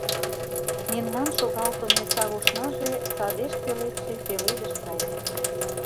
Мемнан шогалтыме савушнаже садеш пеледше пеледыш гай.